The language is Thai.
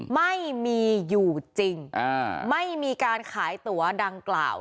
ไม่มีอยู่จริงไม่มีการขายตัวดังกล่าว